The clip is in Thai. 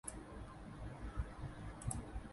ฮวงจุ้ยบ้าน